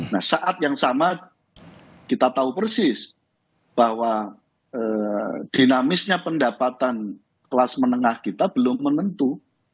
nah saat yang sama kita tahu persis bahwa dinamisnya pendapatan kelas menengah kita belum menentu